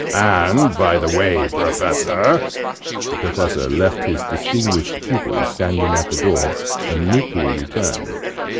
And, by the way, Professor!" (The Professor left his distinguished pupil standing at the door, and meekly returned.)